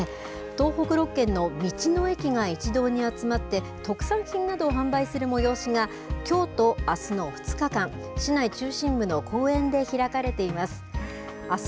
東北６県の道の駅が一堂に集まって、特産品などを販売する催しが、きょうとあすの２日間、市内中心部の公園で開かれています。